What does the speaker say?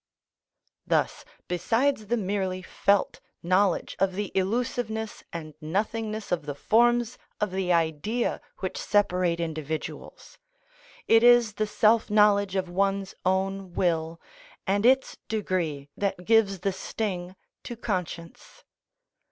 Thus, besides the merely felt knowledge of the illusiveness and nothingness of the forms of the idea which separate individuals, it is the self knowledge of one's own will and its degree that gives the sting to conscience.